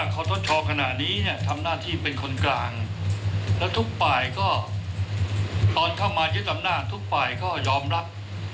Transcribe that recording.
ก็ยอมรับตรงนั้นนะครับ